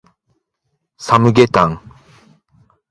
サムゲタン